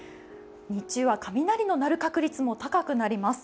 日中は雷の鳴る確率も高くなります。